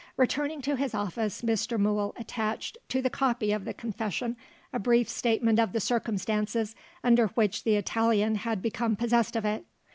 Returning to his office, Mr. Mool attached to the copy of the confession a brief statement of the circumstances under which the Italian had become possessed of it.